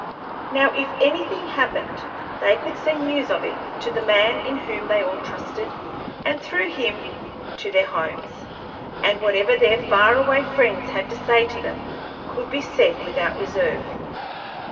Now, if anything happened, they could send news of it to the man in whom they all trusted, and through him to their homes, and whatever their far away friends had to say to them could be said without reserve.